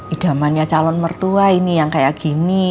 idamannya calon mertua ini yang kayak gini